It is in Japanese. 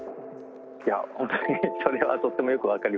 いや本当にそれはとってもよく分かりますね。